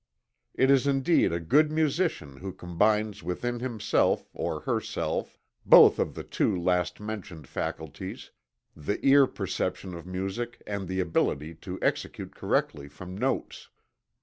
It is indeed a good musician who combines within himself, or herself, both of the two last mentioned faculties the ear perception of music and the ability to execute correctly from notes.